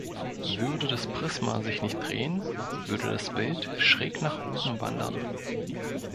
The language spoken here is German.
Würde das Prisma sich nicht drehen, würde das Bild schräg nach oben wandern.